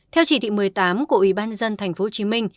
theo chỉ thị một mươi tám của ubnd tp hcm